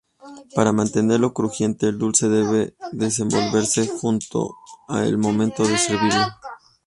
Para mantenerlo crujiente, el dulce debe desenvolverse junto en el momento de servirlo.